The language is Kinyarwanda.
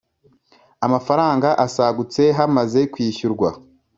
Amafaranga asagutse hamaze kwishyurwa